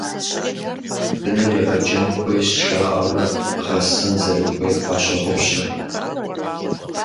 «Быныр егъэджэн хуейщ» жаӀэурэ, гъэсэн зэрыхуейр къащогъупщэ.